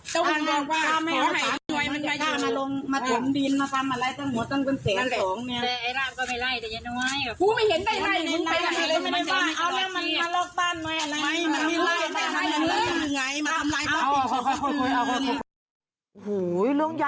โหเรื่องใหญ่นะ